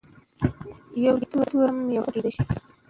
یو توری هم یوه څپه کېدای شي.